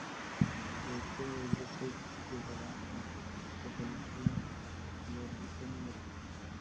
La ruptura del grupo llevará a la aparición de la revista Número.